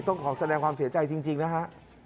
ต้องขอแสดงความเสียใจจริงนะฮะ